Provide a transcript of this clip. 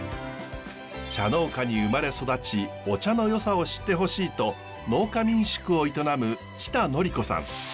茶農家に生まれ育ちお茶のよさを知ってほしいと農家民宿を営む北紀子さん。